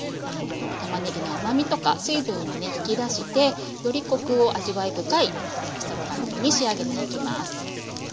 たまねぎの甘みとか水分をね引き出してよりコクを味わい深いストロガノフに仕上げていきます。